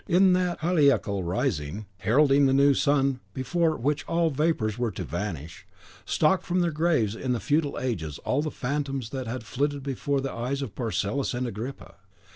In that Heliacal Rising, heralding the new sun before which all vapours were to vanish, stalked from their graves in the feudal ages all the phantoms that had flitted before the eyes of Paracelsus and Agrippa.